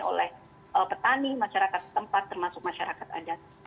oleh petani masyarakat tempat